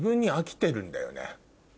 んだよね。